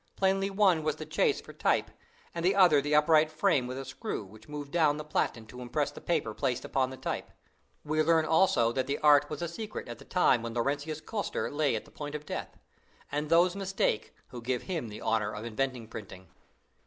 Plainly one was the "chase" for type, and the other the upright frame with a screw, which moved down the platen to impress the paper placed upon the type. We learn also that the art was a secret at the time when Laurentius Costar lay at the point of death, and those mistake who give him the honor of inventing printing.